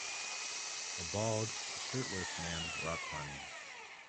A bald, shirtless man rock climbing.